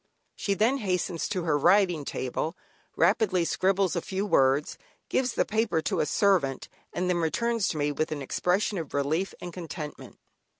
She then hastens to her writing table, rapidly scribbles a few words, gives the paper to a servant, and then returns to me with an expression of relief and contentment.